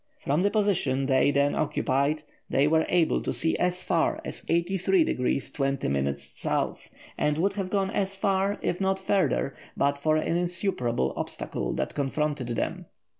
From the position they then occupied they were able to see as far as 83° 20' S., and would have gone as far, if not farther, but for an insuperable obstacle that confronted them.